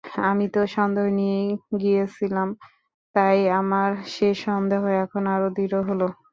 আমি তো সন্দেহ নিয়েই গিয়েছিলাম, তাই আমার সে সন্দেহ এখন আরো দৃঢ় হল।